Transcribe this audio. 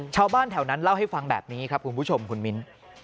ชาวบ้านแถวนั้นเล่าให้ฟังแบบนี้ครับคุณผู้ชมคุณมิ้น